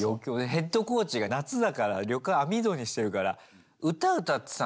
ヘッドコーチが夏だから旅館網戸にしてるから「歌歌ってたな」っつって。